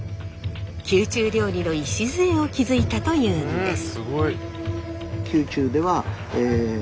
宮中料理の礎を築いたというんです。